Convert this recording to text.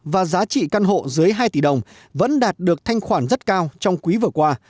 và giá trị căn hộ dưới hai tỷ đồng vẫn đạt được thanh khoản rất cao trong quý vừa qua